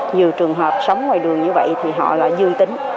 nhiều trường hợp sống ngoài đường như vậy thì họ lại dương tính